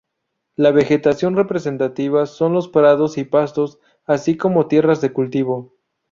La vegetación representativa son los prados y pastos, así como tierras de cultivo.